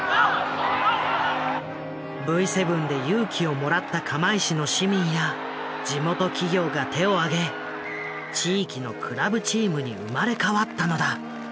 Ｖ７で勇気をもらった釜石の市民や地元企業が手をあげ地域のクラブチームに生まれ変わったのだ。